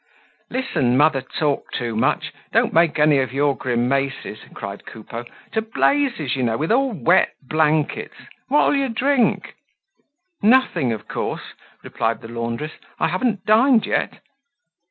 "Listen, mother Talk too much, don't make any of your grimaces!" cried Coupeau. "To blazes, you know, with all wet blankets! What'll you drink?" "Nothing, of course," replied the laundress. "I haven't dined yet."